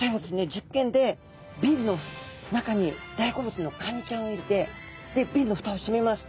実験でビンの中に大好物のカニちゃんを入れてビンのふたをしめます。